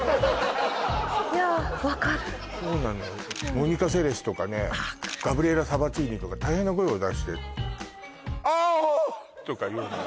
モニカ・セレシュとかねガブリエラ・サバティーニとか大変な声を出してるとか言うのよ